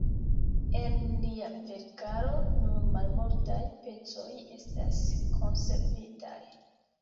El lia verkaro nur malmultaj pecoj estas konservitaj.